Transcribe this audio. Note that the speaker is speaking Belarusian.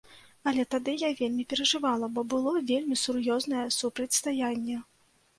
Але тады я вельмі перажывала, бо было вельмі сур'ёзнае супрацьстаянне.